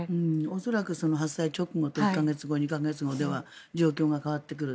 恐らく発災直後と１か月後、２か月後では状況が変わってくる。